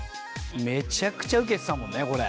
めちゃくちゃウケてたもんねこれ。